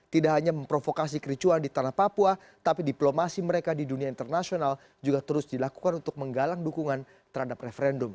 tidak hanya memprovokasi kericuan di tanah papua tapi diplomasi mereka di dunia internasional juga terus dilakukan untuk menggalang dukungan terhadap referendum